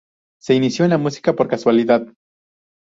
Se inició en la música por casualidad.